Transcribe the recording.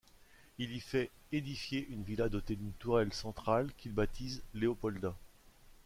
Il y fait édifier une villa dotée d’une tourelle centrale qu’il baptise Léopolda.